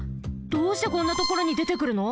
どうしてこんなところにでてくるの？